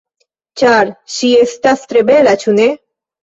Ĉar ŝi estas tre bela, ĉu ne?